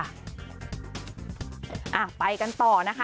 อ่ะไปกันต่อนะคะ